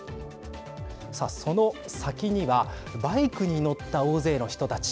さあ、その先にはバイクに乗った大勢の人たち。